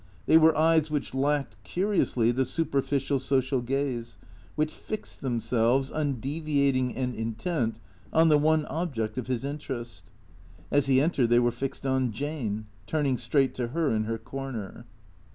They were eyes which lacked, curiously, the superficial social gaze, which fixed themselves, undeviating and intent, on the one object of his interest. As he entered they were fixed on Jane, turning straight to her in her corner.